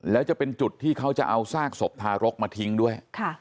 แล้วจะเป็นจุดที่เขาจะเอาซากศพทารกมาทิ้งด้วย